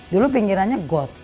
dulu pinggirannya got